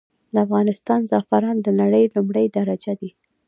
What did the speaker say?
د افغانستان زعفران د نړې لمړی درجه دي.